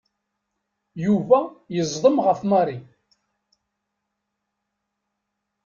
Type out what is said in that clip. Yuba yeẓdem ɣef Mary.